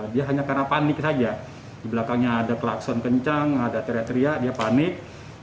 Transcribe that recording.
dia hanya karena panik saja di belakangnya ada klakson kencang ada teriak teriak dia panik